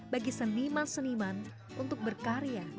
bagi seniman seniman untuk berkarya